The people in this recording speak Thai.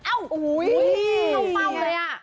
เอ้าอุ้ยเอาเปล่าเลยอ่ะ